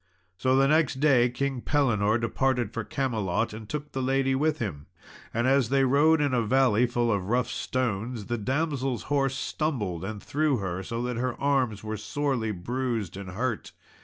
So the next day King Pellinore departed for Camelot, and took the lady with him; and as they rode in a valley full of rough stones, the damsel's horse stumbled and threw her, so that her arms were sorely bruised and hurt.